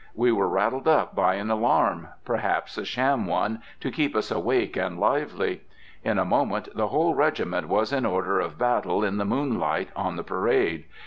We were rattled up by an alarm, perhaps a sham one, to keep us awake and lively. In a moment, the whole regiment was in order of battle in the moonlight on the parade.